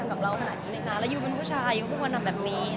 กล่องาคตอะ